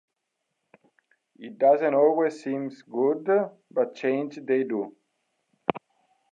It doesn't always seem good, but change they do.